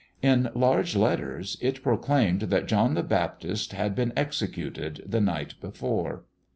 In large letters it proclaimed that John the Baptist had been executed the night before.